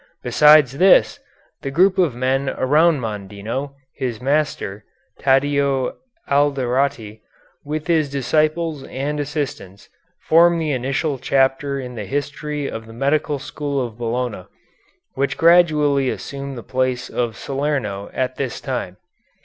Besides this, the group of men around Mondino, his master, Taddeo Alderotti, with his disciples and assistants, form the initial chapter in the history of the medical school of Bologna, which gradually assumed the place of Salerno at this time.